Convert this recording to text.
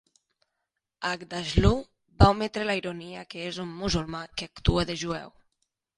Aghdashloo va ometre la ironia que és un musulmà que actua de jueu.